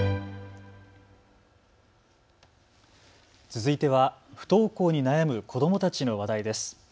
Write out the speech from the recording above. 続いては不登校に悩む子どもたちの話題です。